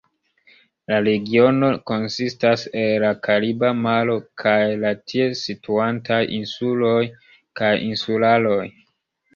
La regiono konsistas el la Kariba Maro kaj la tie situantaj insuloj kaj insularoj.